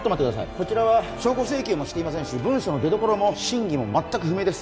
こちらは証拠請求もしていませんし文書も出どころも真偽も全く不明です